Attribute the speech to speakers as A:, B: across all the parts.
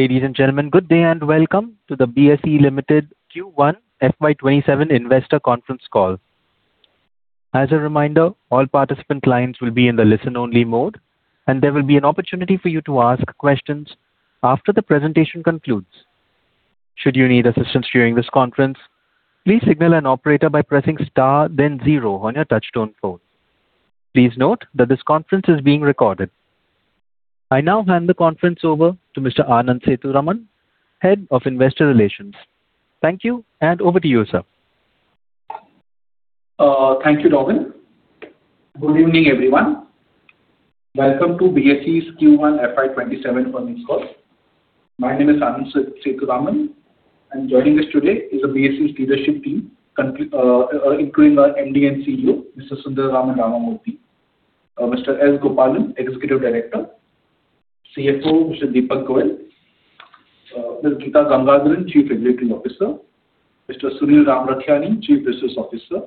A: Ladies and gentlemen, good day and welcome to the BSE Limited Q1 FY27 investor conference call. As a reminder, all participant lines will be in the listen-only mode and there will be an opportunity for you to ask questions after the presentation concludes. Should you need assistance during this conference, please signal an operator by pressing star then zero on your touch-tone phone. Please note that this conference is being recorded. I now hand the conference over to Mr. Anand Sethuraman, Head of Investor Relations. Thank you, and over to you, sir.
B: Thank you, Robin. Good evening, everyone. Welcome to BSE's Q1 FY27 earnings call. My name is Anand Sethuraman, and joining us today is the BSE's leadership team including our MD and CEO, Mr. Sundararaman Ramamurthy. Mr. S Gopalan, Executive Director. CFO, Mr. Deepak Goel. Geetha Gangadharan, Chief Executive Officer. Mr. Sunil Ramrakhiani, Chief Business Officer.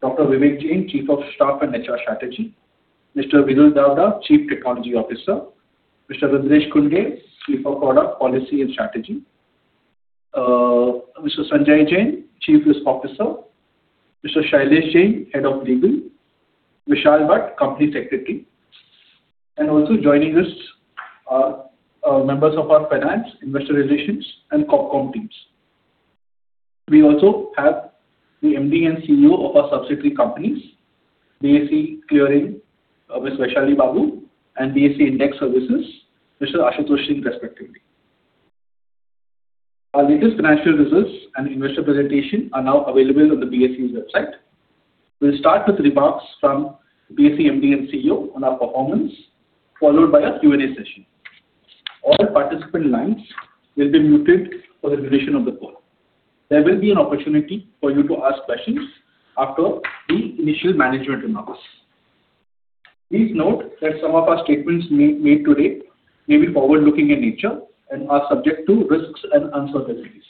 B: Dr. Vivek Jain, Chief of Staff and HR Strategy. Mr. Viral Davda, Chief Technology Officer. Mr. Rudresh Kunde, Chief-Product, Policy & Strategy. Mr. Sanjay Jain, Chief Risk Officer. Mr. Shailesh Jain, Head of Legal. Vishal Bhat, Company Secretary. And also joining us are members of our finance, investor relations, and Corp Comm teams. We also have the MD and CEO of our subsidiary companies, BSE Clearing, Ms. Vaisshali Babu, and BSE Index Services, Mr. Ashutosh Singh, respectively. Our latest financial results and investor presentation are now available on the BSE's website. We will start with remarks from BSE MD and CEO on our performance, followed by a Q&A session. All participant lines will be muted for the duration of the call. There will be an opportunity for you to ask questions after the initial management remarks. Please note that some of our statements made today may be forward-looking in nature and are subject to risks and uncertainties.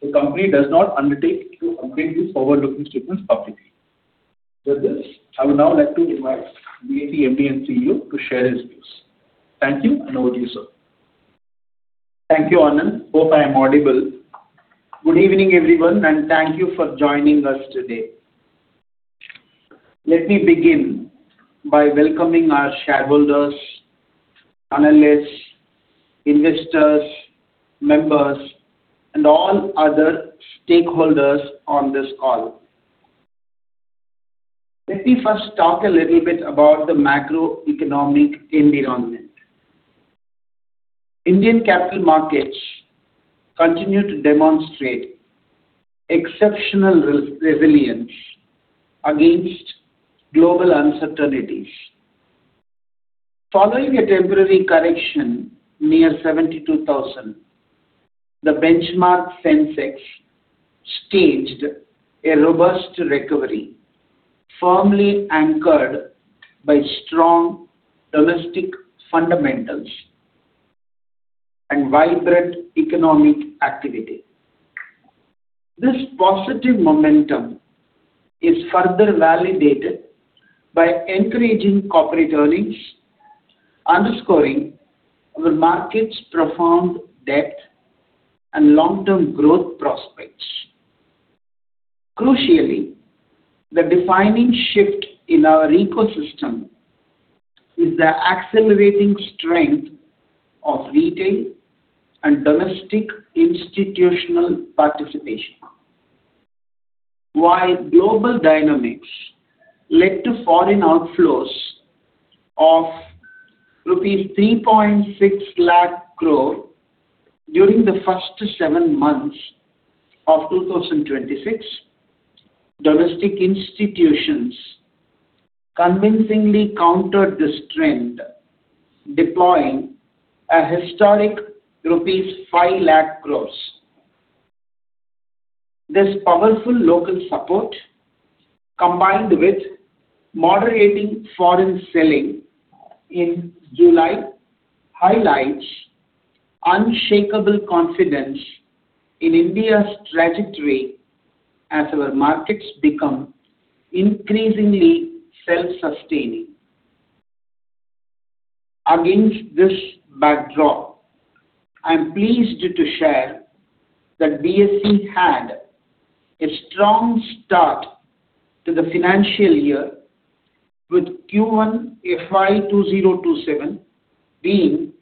B: The company does not undertake to update these forward-looking statements publicly. With this, I would now like to invite BSE MD and CEO to share his views. Thank you, and over to you, sir.
C: Thank you, Anand. Hope I am audible. Good evening, everyone, and thank you for joining us today. Let me begin by welcoming our shareholders, analysts, investors, members, and all other stakeholders on this call. Let me first talk a little bit about the macroeconomic environment. Indian capital markets continue to demonstrate exceptional resilience against global uncertainties. Following a temporary correction near 72,000, the benchmark Sensex staged a robust recovery, firmly anchored by strong domestic fundamentals and vibrant economic activity. This positive momentum is further validated by encouraging corporate earnings, underscoring our market's profound depth and long-term growth prospects. Crucially, the defining shift in our ecosystem is the accelerating strength of retail and domestic institutional participation. While global dynamics led to foreign outflows of rupees 3.6 lakh crore during the first seven months of 2026, domestic institutions convincingly countered this trend, deploying a historic INR 5 lakh crore. This powerful local support, combined with moderating foreign selling in July, highlights unshakable confidence in India's trajectory as our markets become increasingly self-sustaining. Against this backdrop, I'm pleased to share that BSE had a strong start to the financial year with Q1 FY2027 being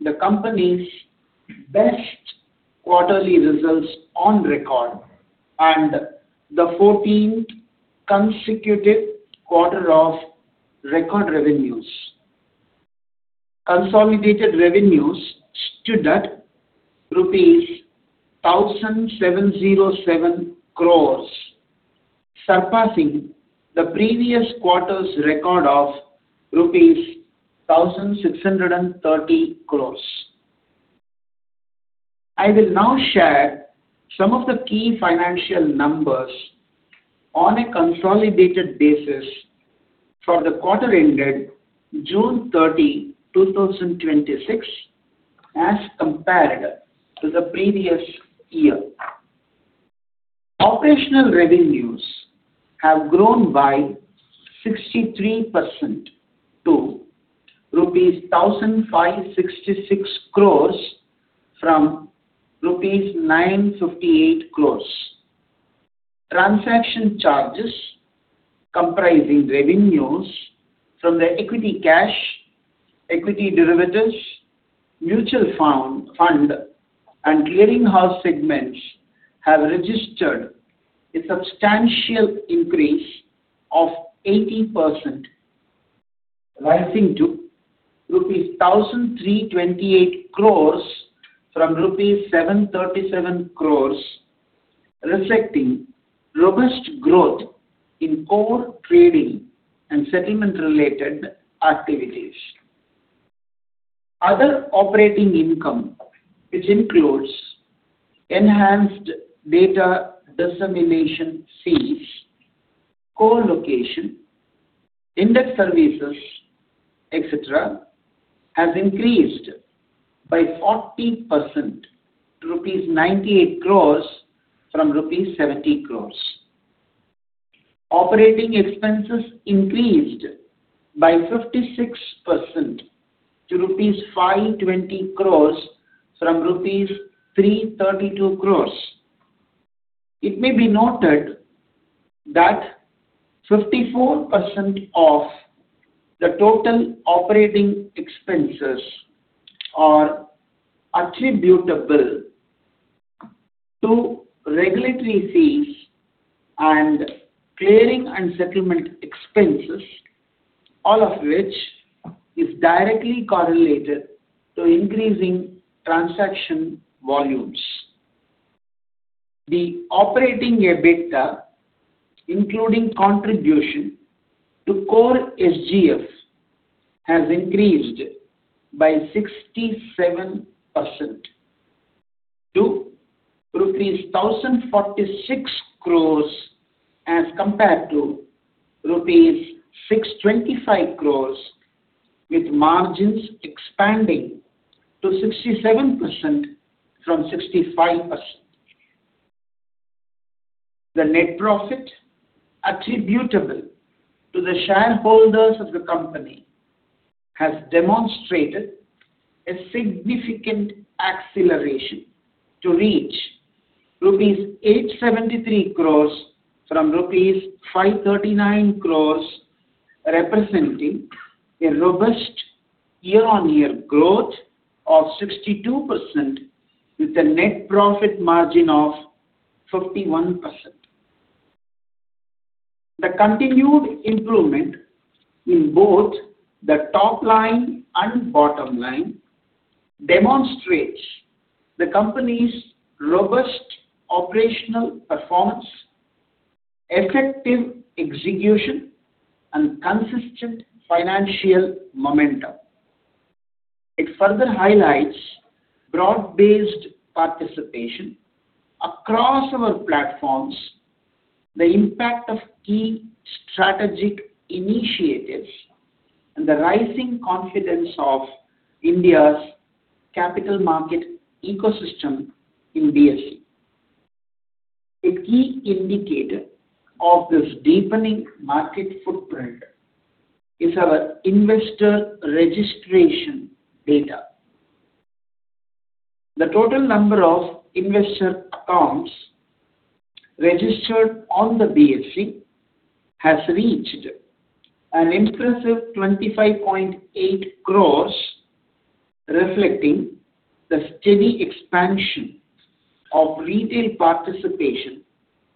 C: the company's best quarterly results on record and the 14th consecutive quarter of record revenues. Consolidated revenues stood at rupees 1,707 crores, surpassing the previous quarter's record of rupees 1,630 crores. I will now share some of the key financial numbers on a consolidated basis for the quarter ended June 30, 2026 as compared to the previous year. Operational revenues have grown by 63% to rupees 1,566 crores from rupees 958 crores. Transaction charges comprising revenues from the equity cash, equity derivatives, mutual fund, and clearing house segments have registered a substantial increase of 80%, rising to rupees 1,328 crores from rupees 737 crores, reflecting robust growth in core trading and settlement-related activities. Other operating income, which includes enhanced data dissemination fees, co-location, index services, et cetera, has increased by 14% to rupees 98 crores from rupees 70 crores. Operating expenses increased by 56% to rupees 520 crores from rupees 332 crores. It may be noted that 54% of the total operating expenses are attributable to regulatory fees and clearing and settlement expenses, all of which is directly correlated to increasing transaction volumes. The operating EBITDA, including contribution to core SGF, has increased by 67% to 1,046 crores as compared to rupees 625 crores, with margins expanding to 67% from 65%. The net profit attributable to the shareholders of the company has demonstrated a significant acceleration to reach rupees 873 crores from rupees 539 crores, representing a robust year-on-year growth of 62%, with a net profit margin of 51%. The continued improvement in both the top line and bottom line demonstrates the company's robust operational performance, effective execution, and consistent financial momentum. It further highlights broad-based participation across our platforms, the impact of key strategic initiatives, and the rising confidence of India's capital market ecosystem in BSE. A key indicator of this deepening market footprint is our investor registration data. The total number of investor accounts registered on the BSE has reached an impressive 25.8 crores, reflecting the steady expansion of retail participation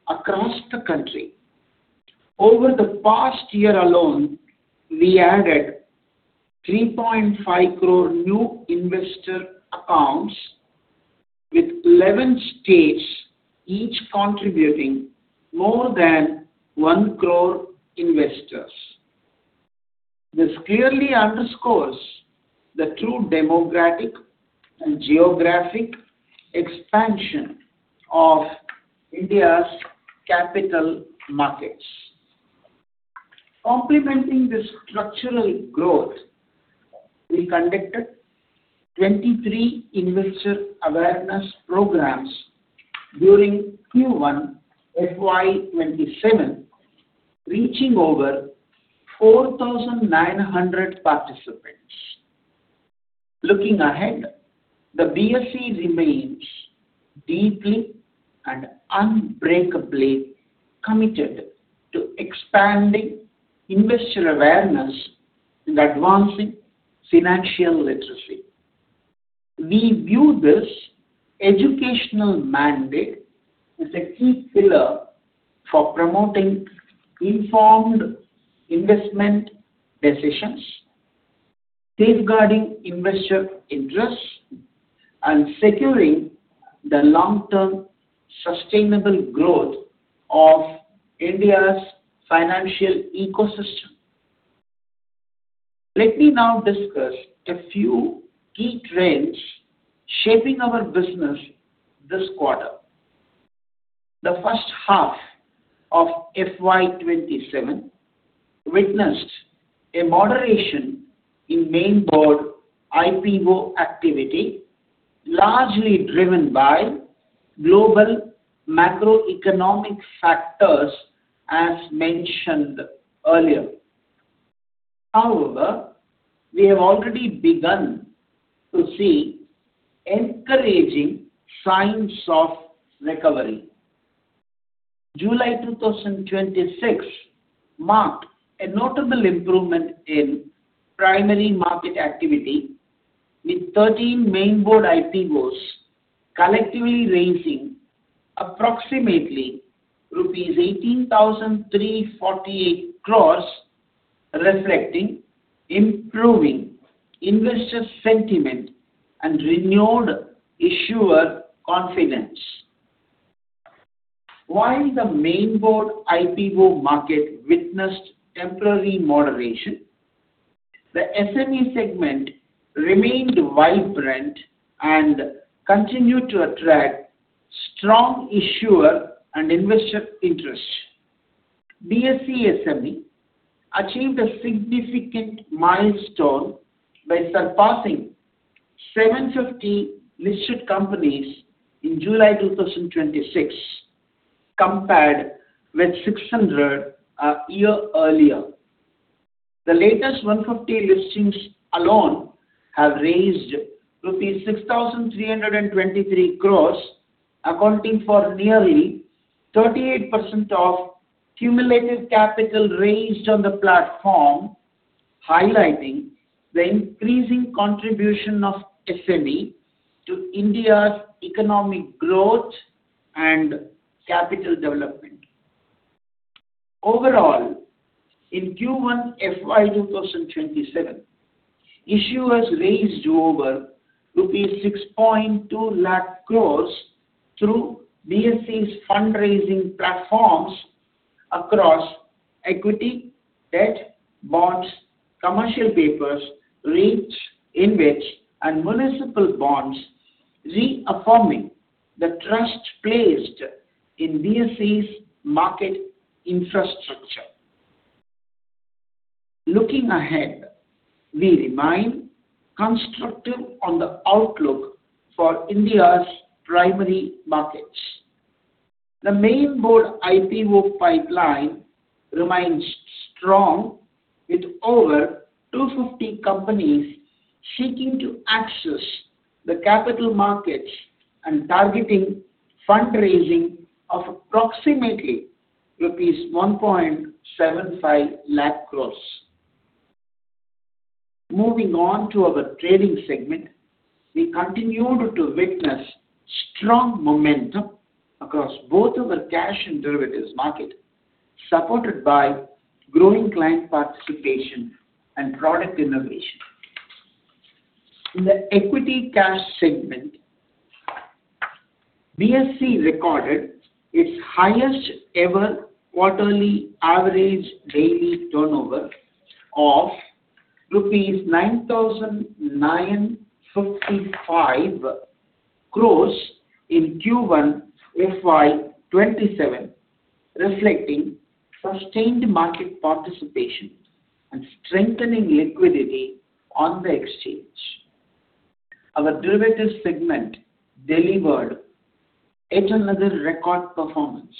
C: across the country. Over the past year alone, we added 3.5 crore new investor accounts with 11 states each contributing more than one crore investors. This clearly underscores the true demographic and geographic expansion of India's capital markets. Complementing this structural growth, we conducted 23 investor awareness programs during Q1 FY2027, reaching over 4,900 participants. Looking ahead, the BSE remains deeply and unbreakably committed to expanding investor awareness and advancing financial literacy. We view this educational mandate as a key pillar for promoting informed investment decisions, safeguarding investor interest, and securing the long-term sustainable growth of India's financial ecosystem. Let me now discuss a few key trends shaping our business this quarter. The first half of FY2027 witnessed a moderation in main board IPO activity, largely driven by global macroeconomic factors as mentioned earlier. However, we have already begun to see encouraging signs of recovery. July 2026 marked a notable improvement in primary market activity with 13 main board IPOs collectively raising approximately INR 18,348 crores, reflecting improving investor sentiment and renewed issuer confidence. While the main board IPO market witnessed temporary moderation, the BSE SME segment remained vibrant and continued to attract strong issuer and investor interest. BSE SME achieved a significant milestone by surpassing 750 listed companies in July 2026 compared with 600 a year earlier. The latest 150 listings alone have raised rupees 6,323 crores, accounting for nearly 38% of cumulative capital raised on the platform, highlighting the increasing contribution of BSE SME to India's economic growth and capital development. Overall, in Q1 FY 2027, issuers raised over rupees 6.2 lakh crores through BSE's fundraising platforms across equity, debt, bonds, commercial papers, REITs, InvIT and municipal bonds, reaffirming the trust placed in BSE's market infrastructure. Looking ahead, we remain constructive on the outlook for India's primary markets. The main board IPO pipeline remains strong, with over 250 companies seeking to access the capital markets and targeting fundraising of approximately rupees 1.75 lakh crores. Moving on to our trading segment, we continued to witness strong momentum across both our cash and derivatives market, supported by growing client participation and product innovation. In the equity cash segment, BSE recorded its highest ever quarterly average daily turnover of INR 9,955 crores in Q1 FY27, reflecting sustained market participation and strengthening liquidity on the exchange. Our derivatives segment delivered yet another record performance,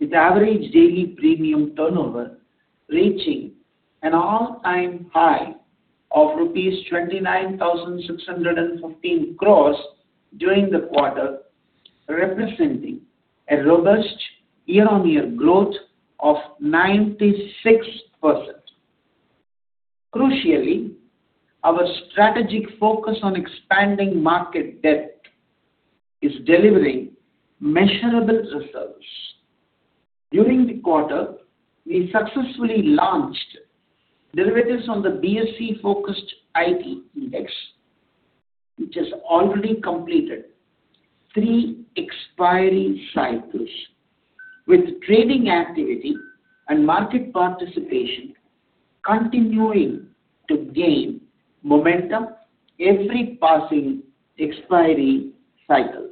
C: with average daily premium turnover reaching an all-time high of rupees 29,615 crores during the quarter, representing a robust year-on-year growth of 96%. Crucially, our strategic focus on expanding market depth is delivering measurable results. During the quarter, we successfully launched derivatives on the BSE Focused IT index, which has already completed three expiry cycles, with trading activity and market participation continuing to gain momentum every passing expiry cycle.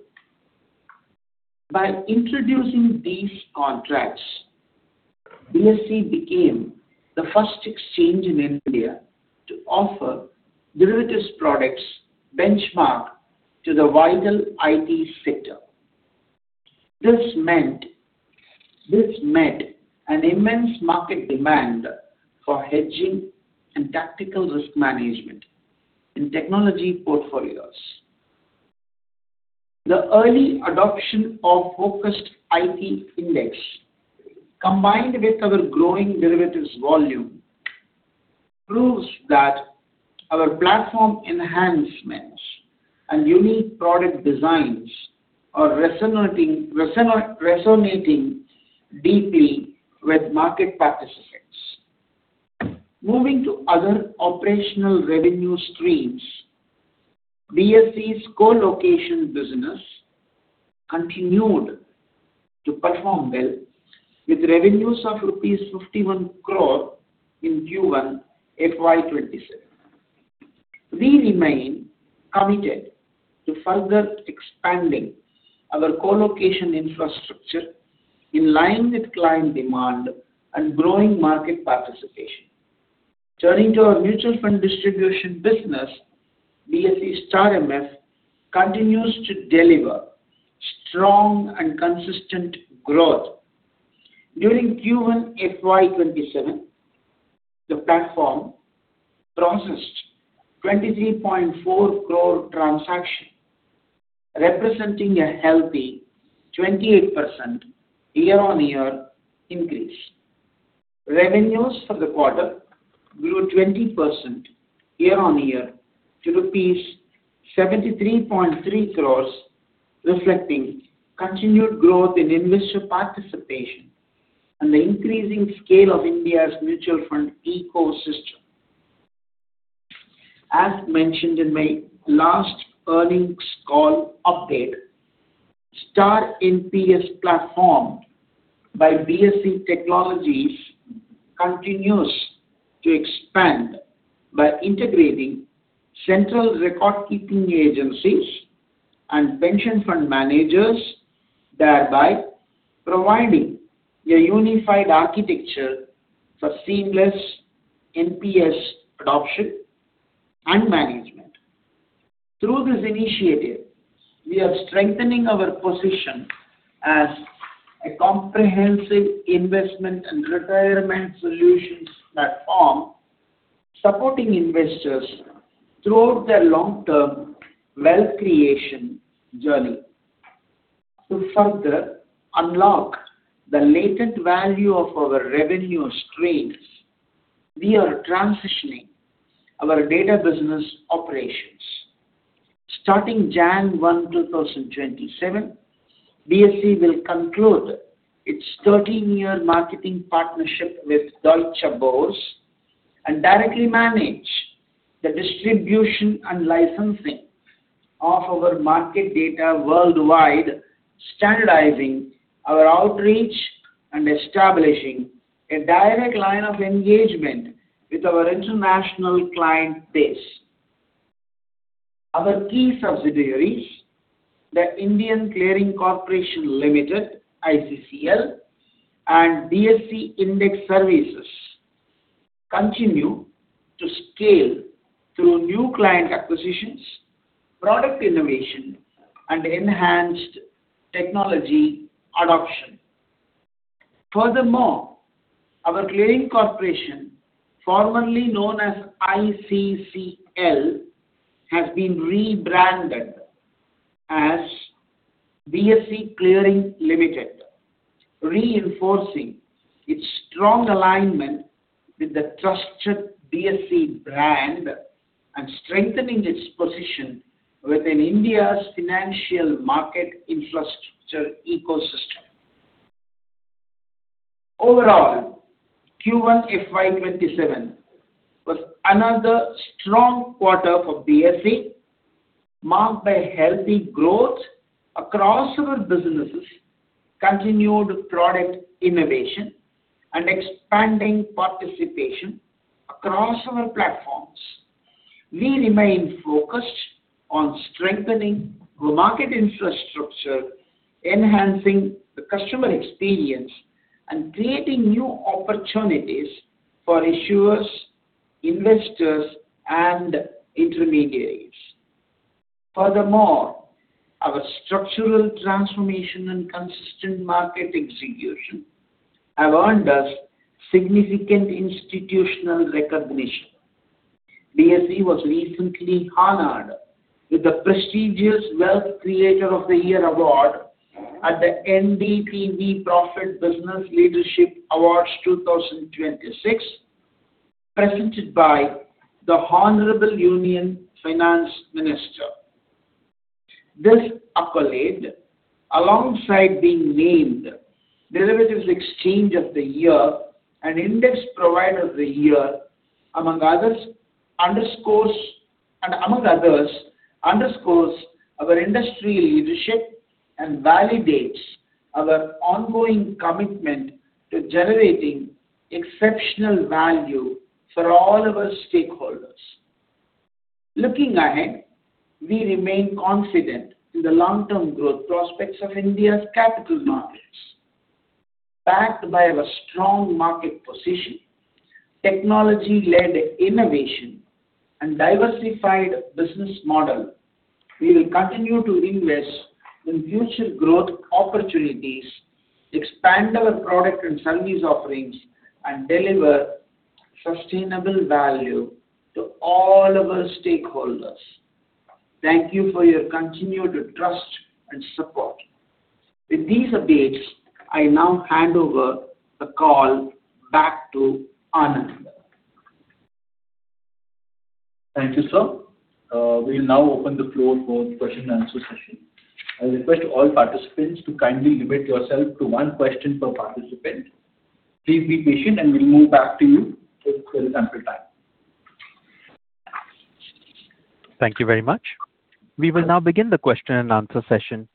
C: By introducing these contracts, BSE became the first exchange in India to offer derivatives products benchmarked to the vital IT sector. This met an immense market demand for hedging and tactical risk management in technology portfolios. The early adoption of Focused IT index, combined with our growing derivatives volume, proves that our platform enhancements and unique product designs are resonating deeply with market participants. Moving to other operational revenue streams, BSE's co-location business continued to perform well, with revenues of rupees 51 crore in Q1 FY27. We remain committed to further expanding our colocation infrastructure in line with client demand and growing market participation. Turning to our mutual fund distribution business, BSE StAR MF continues to deliver strong and consistent growth. During Q1 FY27, the platform processed 23.4 crore transactions, representing a healthy 28% year-on-year increase. Revenues for the quarter grew 20% year-on-year to rupees 73.3 crores, reflecting continued growth in investor participation and the increasing scale of India’s mutual fund ecosystem. As mentioned in my last earnings call update, StAR NPS platform by BSE Technologies continues to expand by integrating central record-keeping agencies and pension fund managers, thereby providing a unified architecture for seamless National Pension System adoption and management. Through this initiative, we are strengthening our position as a comprehensive investment and retirement solutions platform, supporting investors throughout their long-term wealth creation journey. To further unlock the latent value of our revenue streams, we are transitioning our data business operations. Starting January 1, 2027, BSE will conclude its 13-year marketing partnership with Deutsche Börse and directly manage the distribution and licensing of our market data worldwide, standardizing our outreach and establishing a direct line of engagement with our international client base. Our key subsidiaries, the Indian Clearing Corporation Limited, ICCL, and BSE Index Services, continue to scale through new client acquisitions, product innovation, and enhanced technology adoption. Furthermore, our clearing corporation, formerly known as ICCL, has been rebranded as BSE Clearing Limited, reinforcing its strong alignment with the trusted BSE brand and strengthening its position within India’s financial market infrastructure ecosystem. Overall, Q1 FY 2027 was another strong quarter for BSE, marked by healthy growth across our businesses, continued product innovation, and expanding participation across our platforms. We remain focused on strengthening the market infrastructure, enhancing the customer experience, and creating new opportunities for issuers, investors, and intermediaries. Furthermore, our structural transformation and consistent market execution have earned us significant institutional recognition. BSE was recently honored with the prestigious Wealth Creator of the Year Award at the NDTV Profit Business Leadership Awards 2026, presented by the Honorable Union Finance Minister. This accolade, alongside being named Derivatives Exchange of the Year and Index Provider of the Year, among others, underscores our industry leadership and validates our ongoing commitment to generating exceptional value for all our stakeholders. Looking ahead, we remain confident in the long-term growth prospects of India’s capital markets. Backed by our strong market position, technology-led innovation, and diversified business model, we will continue to invest in future growth opportunities, expand our product and service offerings, and deliver sustainable value to all our stakeholders. Thank you for your continued trust and support. With these updates, I now hand over the call back to Anand.
B: Thank you, sir. We will now open the floor for question and answer session. I request all participants to kindly limit yourself to one question per participant. Please be patient and we'll move back to you in ample time.
A: Thank you very much. We will now begin the question and answer session.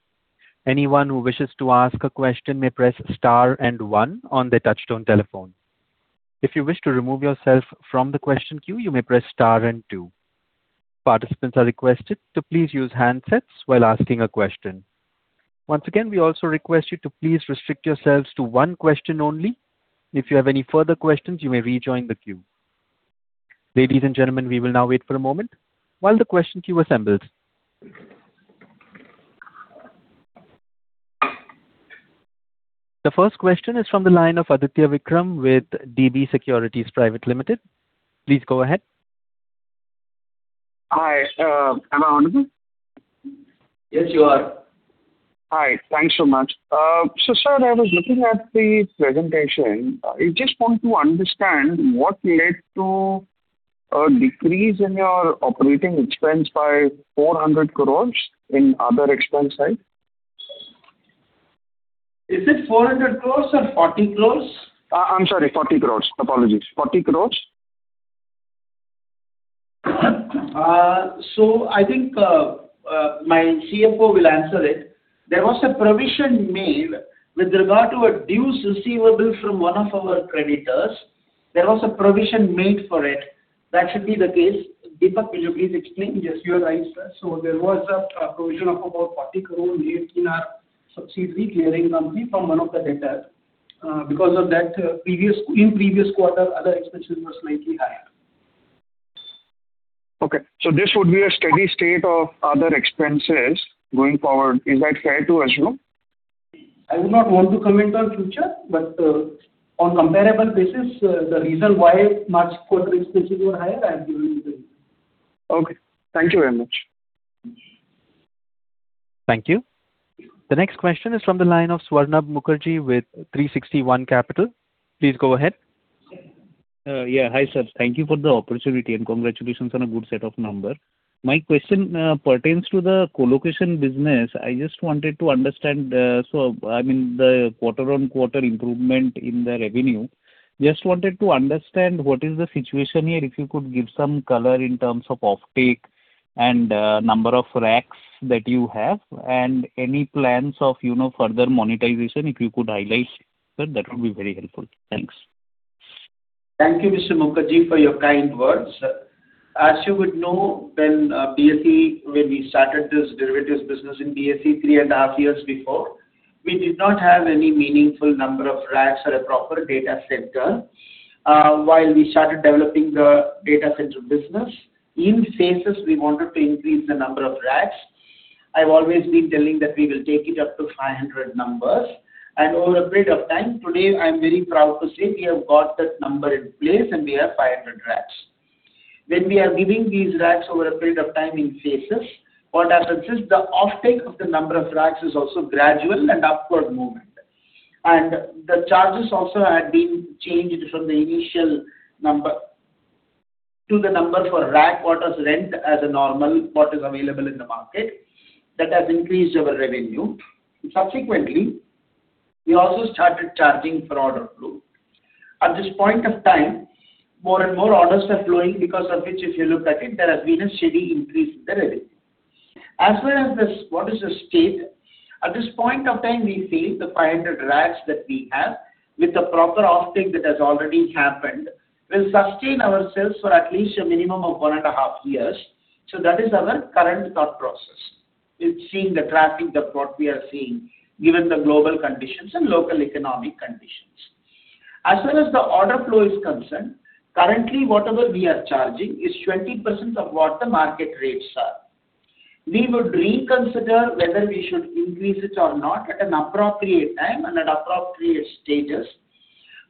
A: Anyone who wishes to ask a question may press star and one on their touchtone telephone. If you wish to remove yourself from the question queue, you may press star and two. Participants are requested to please use handsets while asking a question. Once again, we also request you to please restrict yourselves to one question only. If you have any further questions, you may rejoin the queue. Ladies and gentlemen, we will now wait for a moment while the question queue assembles. The first question is from the line of Aditya Vikram with DB Securities Private Limited. Please go ahead.
D: Hi. Am I audible?
C: Yes, you are.
D: Hi. Thanks so much. Sir, I was looking at the presentation. I just want to understand what led to a decrease in your operating expense by 400 crores in other expense side.
C: Is it 400 crores or 40 crores?
D: I'm sorry, 40 crores. Apologies. 40 crores.
C: I think my CFO will answer it. There was a provision made with regard to a dues receivable from one of our creditors. There was a provision made for it. That should be the case. Deepak, will you please explain?
E: Yes, you are right, sir. There was a provision of about 40 crore made in our subsidiary clearing company from one of the debtors. Because of that, in previous quarter, other expenses were slightly higher.
D: Okay. This would be a steady state of other expenses going forward. Is that fair to assume?
C: I would not want to comment on future, but on comparable basis, the reason why March quarter expenses were higher, I have given you the reason.
D: Okay. Thank you very much.
A: Thank you. The next question is from the line of Swarnab Mukherjee with 361 Capital. Please go ahead.
F: Yeah. Hi, sir. Thank you for the opportunity, and congratulations on a good set of number. My question pertains to the colocation business. I just wanted to understand the quarter-on-quarter improvement in the revenue. Just wanted to understand what is the situation here, if you could give some color in terms of offtake and number of racks that you have and any plans of further monetization. If you could highlight, sir, that would be very helpful. Thanks.
C: Thank you, Mr. Mukherjee, for your kind words. As you would know, when we started this derivatives business in BSE three and a half years before, we did not have any meaningful number of racks or a proper data center. While we started developing the data center business, in phases we wanted to increase the number of racks. I've always been telling that we will take it up to 500 numbers. Over a period of time, today, I'm very proud to say we have got that number in place, and we have 500 racks. When we are giving these racks over a period of time in phases, what happens is the offtake of the number of racks is also gradual and upward movement. The charges also had been changed from the initial number to the number for rack, what is rent as a normal, what is available in the market. That has increased our revenue. Subsequently, we also started charging for order flow. At this point of time, more and more orders were flowing because of which, if you look at it, there has been a steady increase in the revenue. As well as this, what is the state? At this point of time, we feel the 500 racks that we have, with the proper offtake that has already happened, will sustain ourselves for at least a minimum of one and a half years. That is our current thought process, with seeing the traffic that what we are seeing, given the global conditions and local economic conditions. As well as the order flow is concerned, currently whatever we are charging is 20% of what the market rates are. We would reconsider whether we should increase it or not at an appropriate time and at appropriate stages.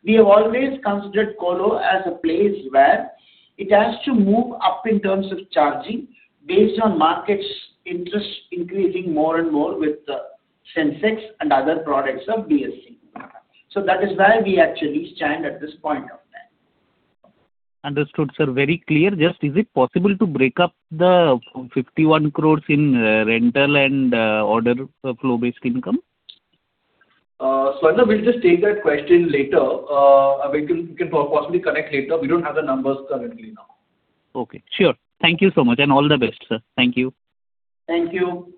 C: We have always considered colo as a place where it has to move up in terms of charging based on market's interest increasing more and more with the Sensex and other products of BSE. That is where we actually stand at this point of time.
F: Understood, sir. Very clear. Just, is it possible to break up the 51 crore in rental and order flow-based income?
C: Swarnab, we'll just take that question later. We can possibly connect later. We don't have the numbers currently now.
F: Okay, sure. Thank you so much, and all the best, sir. Thank you.
C: Thank you.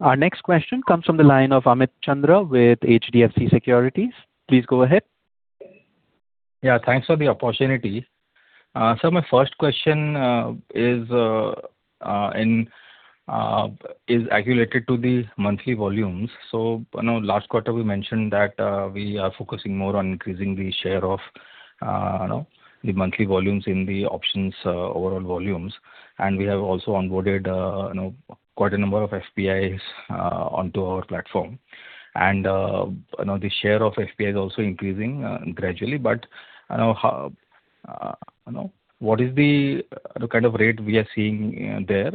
A: Our next question comes from the line of Amit Chandra with HDFC Securities. Please go ahead.
G: Thanks for the opportunity. Sir, my first question is related to the monthly volumes. I know last quarter we mentioned that we are focusing more on increasing the share of the monthly volumes in the options overall volumes. We have also onboarded quite a number of FPIs onto our platform. The share of FPI is also increasing gradually. What is the kind of rate we are seeing there?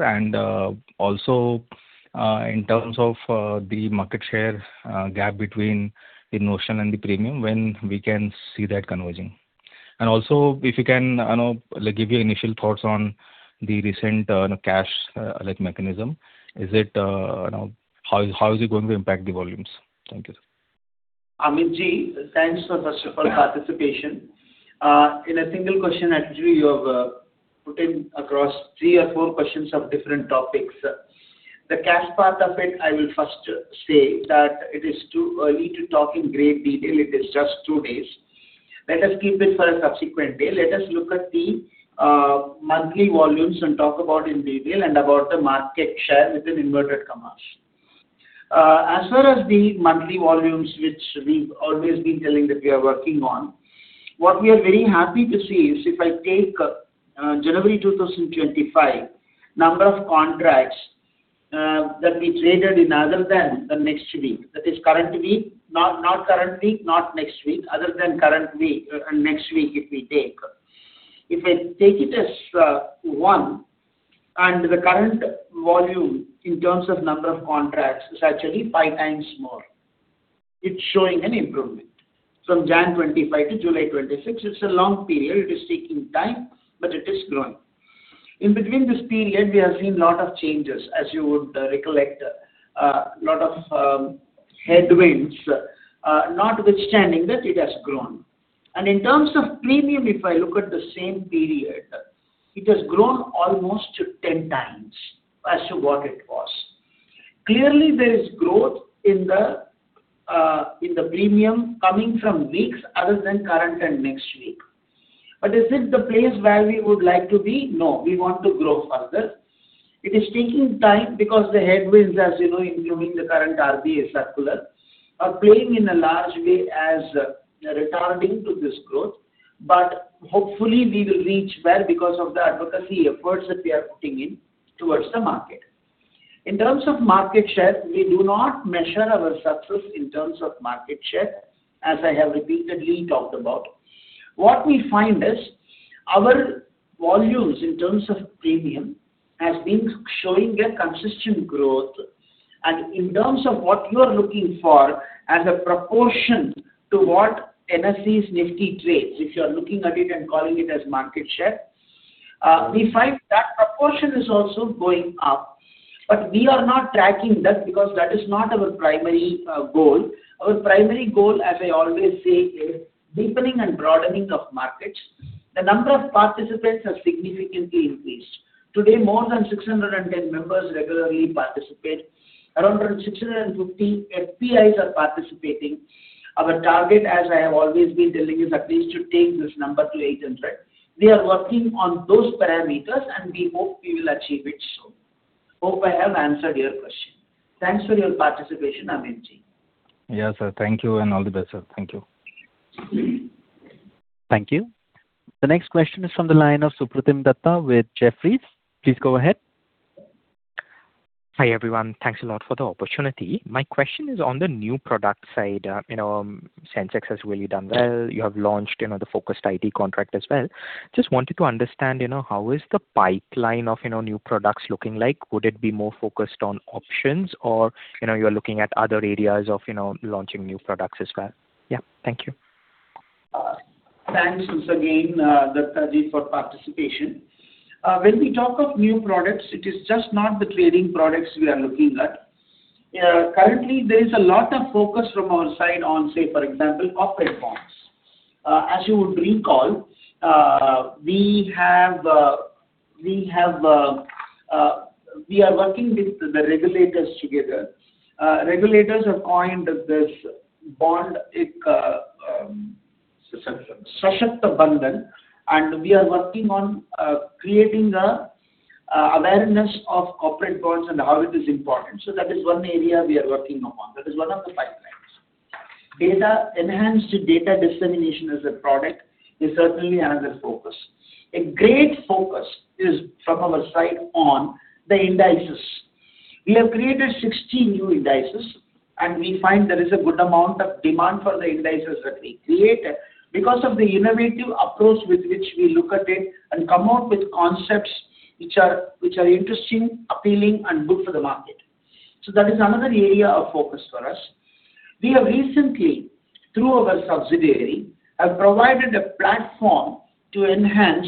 G: Also, in terms of the market share gap between the notional and the premium, when we can see that converging? Also, if you can give your initial thoughts on the recent cash mechanism. How is it going to impact the volumes? Thank you, sir.
C: Amit ji, thanks first of all for participation. In a single question actually, you have put across three or four questions of different topics. The cash part of it, I will first say that it is too early to talk in great detail. It is just two days. Let us keep it for a subsequent day. Let us look at the monthly volumes and talk about in detail and about the market share within inverted commas. As far as the monthly volumes, which we've always been telling that we are working on, what we are very happy to see is if I take January 2025, number of contracts that we traded in other than the next week. That is current week, not current week, not next week, other than current week and next week, if we take. If I take it as one, the current volume in terms of number of contracts is actually five times more. It's showing an improvement from January 2025 to July 2026. It's a long period. It is taking time, but it is growing. In between this period, we have seen lot of changes, as you would recollect. A lot of headwinds. Notwithstanding that it has grown. In terms of premium, if I look at the same period, it has grown almost ten times as to what it was. Clearly, there is growth in the premium coming from weeks other than current and next week. Is it the place where we would like to be? No. We want to grow further. It is taking time because the headwinds, as you know, including the current RBI circular, are playing in a large way as retarding to this growth. Hopefully we will reach well because of the advocacy efforts that we are putting in towards the market. In terms of market share, we do not measure our success in terms of market share, as I have repeatedly talked about. What we find is our volumes in terms of premium has been showing a consistent growth. In terms of what you are looking for as a proportion to what NSE's Nifty trades, if you are looking at it and calling it as market share, we find that proportion is also going up. We are not tracking that because that is not our primary goal. Our primary goal, as I always say, is deepening and broadening of markets. The number of participants has significantly increased. Today, more than 610 members regularly participate. Around 650 FPIs are participating. Our target, as I have always been telling you, is at least to take this number to 800. We are working on those parameters. We hope we will achieve it soon. Hope I have answered your question. Thanks for your participation, Amit.
G: Yes, sir. Thank you. All the best, sir. Thank you.
C: Thank you.
A: Thank you. The next question is from the line of Supratim Datta with Jefferies. Please go ahead.
H: Hi, everyone. Thanks a lot for the opportunity. My question is on the new product side. Sensex has really done well. You have launched the Focused IT contract as well. How is the pipeline of new products looking like? Would it be more focused on options or you are looking at other areas of launching new products as well? Thank you.
C: Thanks once again, Datta ji, for participation. We talk of new products, it is just not the trading products we are looking at. Currently, there is a lot of focus from our side on corporate bonds. We are working with the regulators together. Regulators have coined this bond, Sashakt Bandhan, and we are working on creating awareness of corporate bonds and how it is important. That is one area we are working upon. That is one of the pipelines. Enhanced data dissemination as a product is certainly another focus. A great focus is from our side on the indices. We have created 16 new indices, we find there is a good amount of demand for the indices that we created because of the innovative approach with which we look at it and come out with concepts which are interesting, appealing, and good for the market. That is another area of focus for us. We have recently, through our subsidiary, have provided a platform to enhance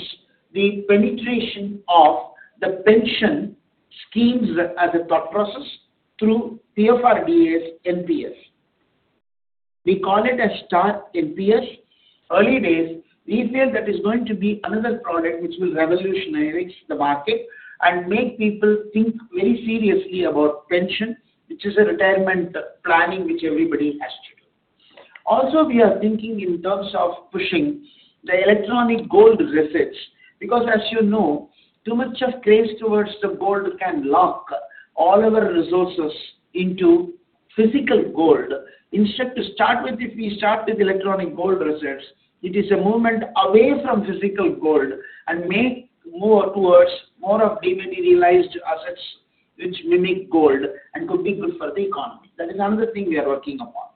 C: the penetration of the pension schemes as a thought process through PFRDA's NPS. We call it a StAR NPS. Early days, we feel that is going to be another product which will revolutionize the market and make people think very seriously about pension, which is a retirement planning which everybody has to do. We are thinking in terms of pushing the electronic gold research, because too much of craze towards the gold can lock all our resources into physical gold. Instead, to start with, if we start with electronic gold reserves, it is a movement away from physical gold and make more towards more of dematerialized assets which mimic gold and could be good for the economy. That is another thing we are working upon.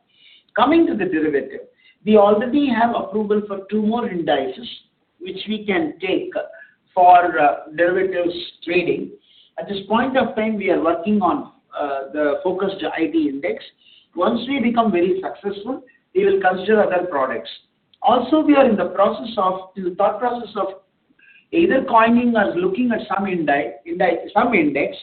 C: Coming to the derivative. We already have approval for two more indices, which we can take for derivatives trading. At this point of time, we are working on the Focused IT index. Once we become very successful, we will consider other products. We are in the thought process of either coining or looking at some index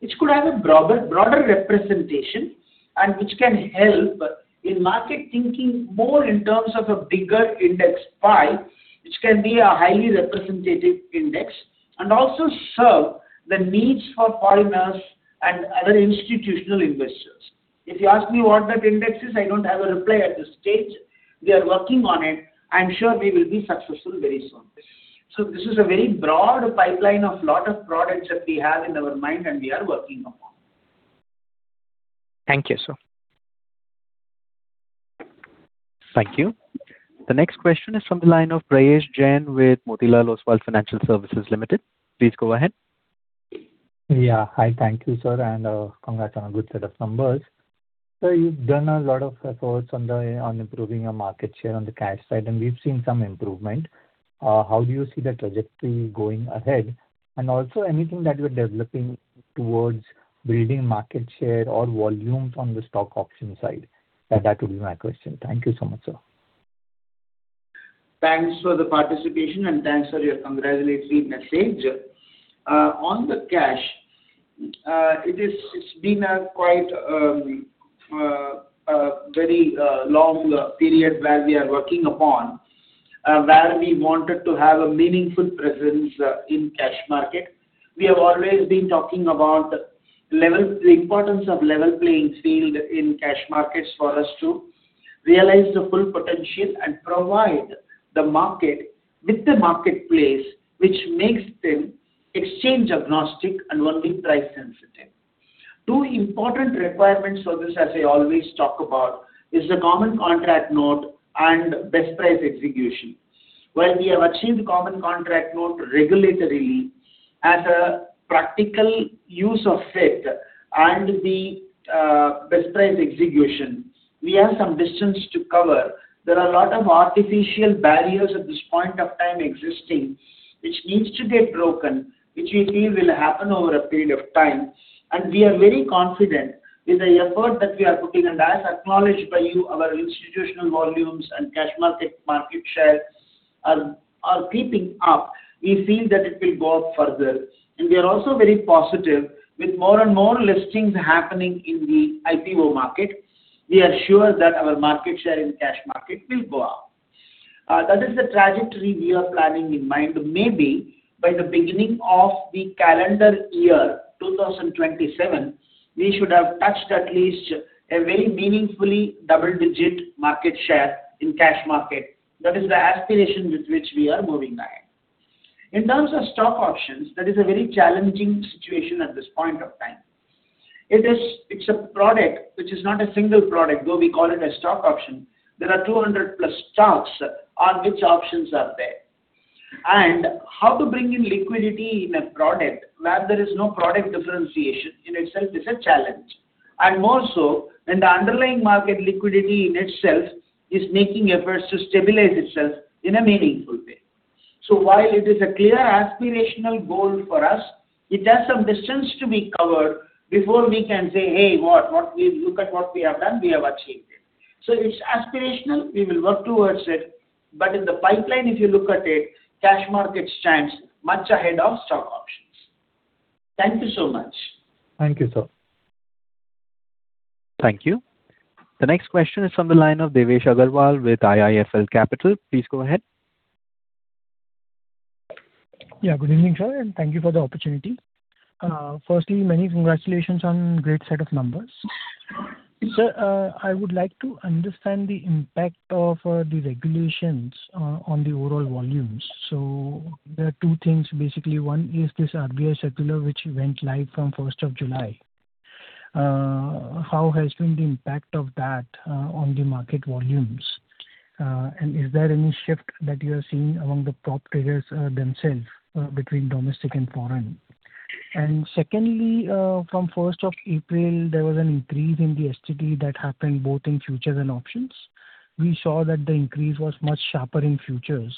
C: which could have a broader representation and which can help in market thinking more in terms of a bigger index pie, which can be a highly representative index and also serve the needs for foreigners and other institutional investors. If you ask me what that index is, I don't have a reply at this stage. We are working on it. I am sure we will be successful very soon. This is a very broad pipeline of lot of products that we have in our mind and we are working upon.
H: Thank you, sir.
A: Thank you. The next question is from the line of Prayesh Jain with Motilal Oswal Financial Services Limited. Please go ahead.
I: Hi, thank you, sir, and congrats on a good set of numbers. Sir, you've done a lot of efforts on improving your market share on the cash side, and we've seen some improvement. How do you see the trajectory going ahead? Anything that you're developing towards building market share or volumes on the stock option side? That would be my question. Thank you so much, sir.
C: Thanks for the participation and thanks for your congratulatory message. On the cash, it's been a very long period where we are working upon, where we wanted to have a meaningful presence in cash market. We have always been talking about the importance of level playing field in cash markets for us to realize the full potential and provide the market with the marketplace which makes them exchange agnostic and only price sensitive. Two important requirements for this, as I always talk about, is the common contract note and best price execution. While we have achieved common contract note regulatory, as a practical use of it and the best price execution, we have some distance to cover. There are a lot of artificial barriers at this point of time existing, which needs to get broken, which we feel will happen over a period of time. We are very confident with the effort that we are putting, and as acknowledged by you, our institutional volumes and cash market share are creeping up. We feel that it will go up further. We are also very positive with more and more listings happening in the IPO market. We are sure that our market share in cash market will go up. That is the trajectory we are planning in mind. Maybe by the beginning of the calendar year 2027, we should have touched at least a very meaningfully double-digit market share in cash market. That is the aspiration with which we are moving ahead. In terms of stock options, that is a very challenging situation at this point of time. It's a product which is not a single product, though we call it a stock option. There are 200 plus stocks on which options are there. How to bring in liquidity in a product where there is no product differentiation in itself is a challenge. More so when the underlying market liquidity in itself is making efforts to stabilize itself in a meaningful way. While it is a clear aspirational goal for us, it has some distance to be covered before we can say, "Hey, look at what we have done, we have achieved it." It's aspirational, we will work towards it. In the pipeline, if you look at it, cash markets stands much ahead of stock options. Thank you so much.
I: Thank you, sir.
A: Thank you. The next question is from the line of Devesh Agarwal with IIFL Capital. Please go ahead.
J: Yeah, good evening, sir, and thank you for the opportunity. Firstly, many congratulations on great set of numbers. Sir, I would like to understand the impact of the regulations on the overall volumes. There are two things. Basically, one is this RBI circular which went live from 1st of July. How has been the impact of that on the market volumes? Is there any shift that you are seeing among the top traders themselves between domestic and foreign? Secondly, from 1st of April, there was an increase in the STT that happened both in futures and options. We saw that the increase was much sharper in futures.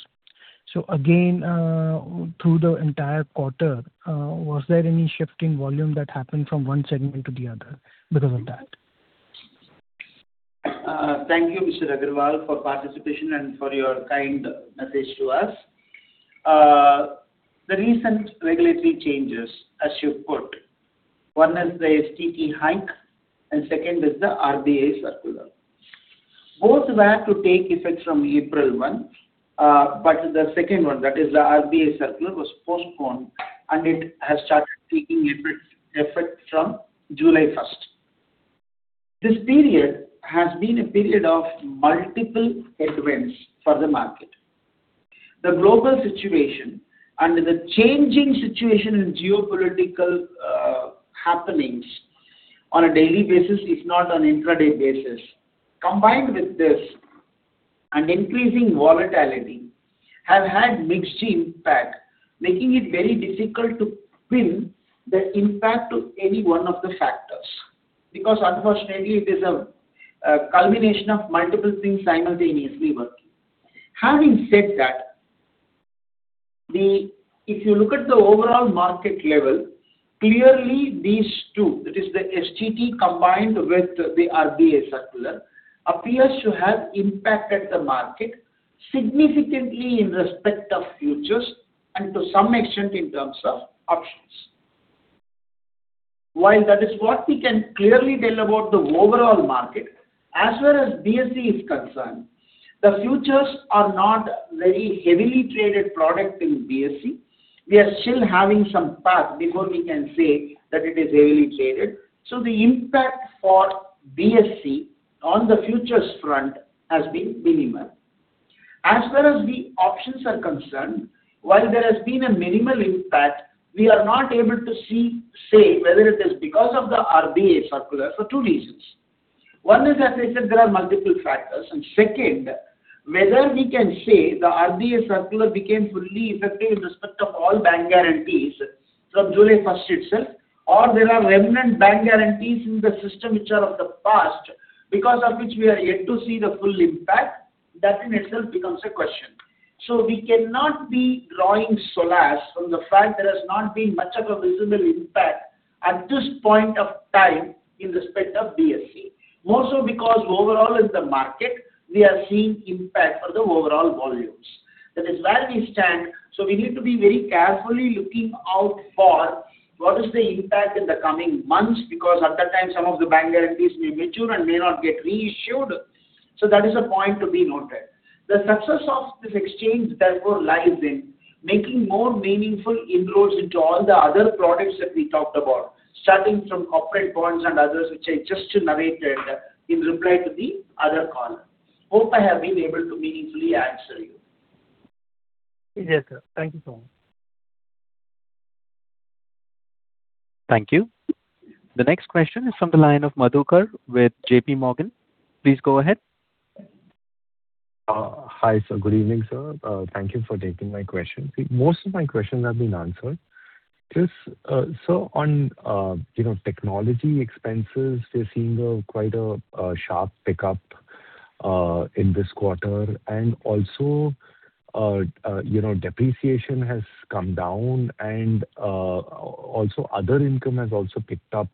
J: Again, through the entire quarter, was there any shift in volume that happened from one segment to the other because of that?
C: Thank you, Mr. Agarwal, for participation and for your kind message to us. The recent regulatory changes, as you put. One is the STT hike and second is the RBI circular. Both were to take effect from April 1. The second one, that is the RBI circular, was postponed and it has started taking effect from July 1st. This period has been a period of multiple headwinds for the market. The global situation and the changing situation in geopolitical happenings on a daily basis, if not an intraday basis, combined with this an increasing volatility have had mixed impact, making it very difficult to pin the impact to any one of the factors. Unfortunately it is a culmination of multiple things simultaneously working. Having said that, if you look at the overall market level, clearly these two, that is the STT combined with the RBI circular, appears to have impacted the market significantly in respect of futures and to some extent in terms of options. While that is what we can clearly tell about the overall market, as far as BSE is concerned, the futures are not very heavily traded product in BSE. We are still having some path before we can say that it is heavily traded. The impact for BSE on the futures front has been minimal. As far as the options are concerned, while there has been a minimal impact, we are not able to say whether it is because of the RBI circular for two reasons. One is, as I said, there are multiple factors. Second, whether we can say the RBI circular became fully effective in respect of all bank guarantees from July 1st itself, or there are remnant bank guarantees in the system which are of the past, because of which we are yet to see the full impact. That in itself becomes a question. We cannot be drawing solace from the fact there has not been much of a visible impact at this point of time in respect of BSE. More so because overall in the market, we are seeing impact on the overall volumes. That is where we stand, so we need to be very carefully looking out for what is the impact in the coming months, because at that time some of the bank guarantees may mature and may not get reissued. That is a point to be noted. The success of this exchange therefore lies in making more meaningful inroads into all the other products that we talked about, starting from corporate bonds and others, which I just narrated in reply to the other caller. Hope I have been able to meaningfully answer you.
J: Yes, sir. Thank you so much.
A: Thank you. The next question is from the line of Madhukar with JPMorgan. Please go ahead.
K: Hi, sir. Good evening, sir. Thank you for taking my question. Most of my questions have been answered. Sir, on technology expenses, we're seeing quite a sharp pickup in this quarter. Depreciation has come down and also other income has also picked up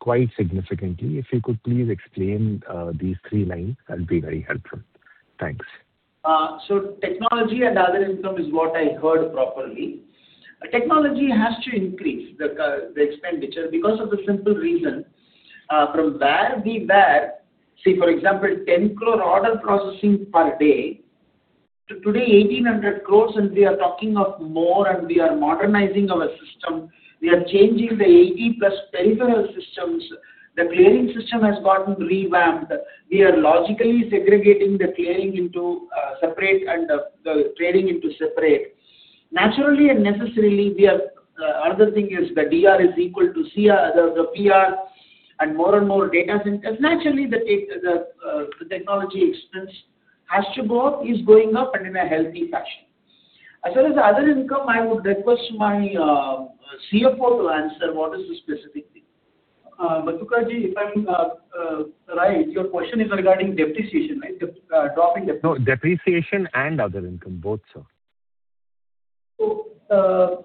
K: quite significantly. If you could please explain these three lines, that'll be very helpful. Thanks.
C: Technology and other income is what I heard properly. Technology has to increase the expenditure because of the simple reason. From where we were, say, for example, 10 crore order processing per day, to today, 1,800 crore and we are talking of more and we are modernizing our system. We are changing the 80+ peripheral systems. The clearing system has gotten revamped. We are logically segregating the clearing into separate and the trading into separate. Naturally and necessarily, the other thing is the DR is equal to CR, the PR, and more and more data centers. Naturally, the technology expense has to go up, is going up and in a healthy fashion. As well as other income, I would request my CFO to answer what is the specific thing. Madhukar Ji, if I'm right, your question is regarding depreciation, right? Drop in depreciation.
K: No, depreciation and other income, both sir.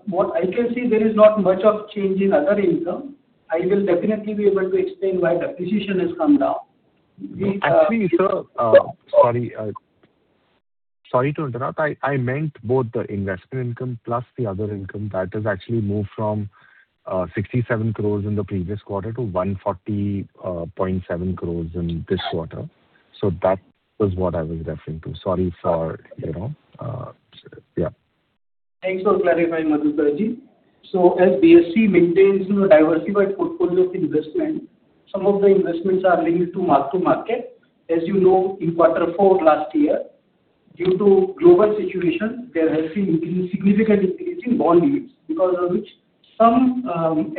C: What I can say there is not much of change in other income. I will definitely be able to explain why depreciation has come down.
K: Actually, sir, sorry to interrupt. I meant both the investment income plus the other income that has actually moved from 67 crores in the previous quarter to 140.7 crores in this quarter. That was what I was referring to. Sorry for interrupt. Yeah.
C: Thanks for clarifying, Madhukar ji. As BSE maintains a diversified portfolio of investment, some of the investments are linked to mark to market. As you know, in quarter four last year, due to global situation, there has been significant decrease in bond yields, because of which some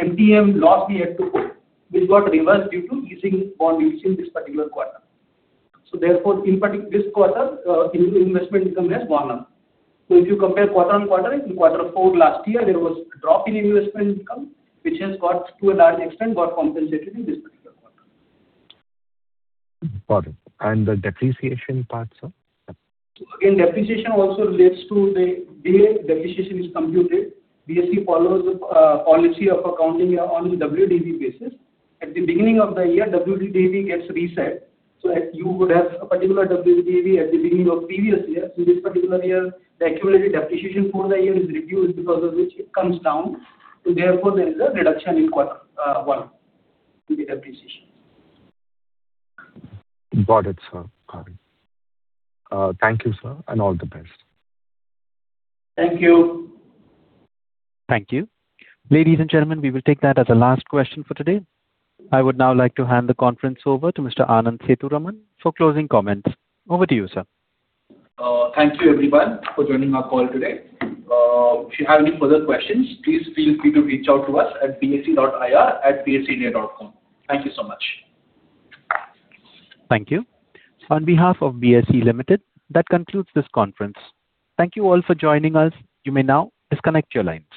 C: MTM loss we had to book. This got reversed due to easing bond yields in this particular quarter. Therefore, in this quarter, investment income has gone up. If you compare quarter-on-quarter, in quarter four last year, there was a drop in investment income, which has to a large extent got compensated in this particular quarter.
K: Got it. The depreciation part, sir?
C: Again, depreciation also relates to the day depreciation is computed. BSE follows a policy of accounting on WDV basis. At the beginning of the year, WDV gets reset. You would have a particular WDV at the beginning of previous year. In this particular year, the accumulated depreciation for the year is reduced, because of which it comes down. Therefore, there is a reduction in Q1, in the depreciation.
K: Got it, sir. Got it. Thank you, sir, and all the best.
C: Thank you.
A: Thank you. Ladies and gentlemen, we will take that as the last question for today. I would now like to hand the conference over to Mr. Anand Sethuraman for closing comments. Over to you, sir.
B: Thank you everyone for joining our call today. If you have any further questions, please feel free to reach out to us at bse.ir@bseindia.com. Thank you so much.
A: Thank you. On behalf of BSE Limited, that concludes this conference. Thank you all for joining us. You may now disconnect your lines.